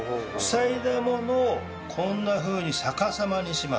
塞いだものをこんなふうに逆さまにします。